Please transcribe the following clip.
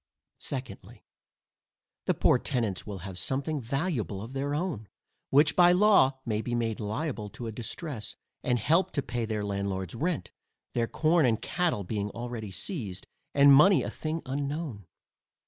Secondly, The poorer tenants will have something valuable of their own, which by law may be made liable to a distress, and help to pay their landlord's rent, their corn and cattle being already seized, and money a thing unknown.